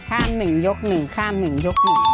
ข้ามหนึ่งยกหนึ่งข้ามหนึ่งยกหนึ่ง